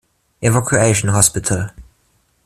Evacuation Hospital.